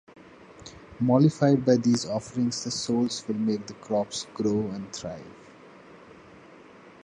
Mollified by these offerings, the souls will make the crops grow and thrive.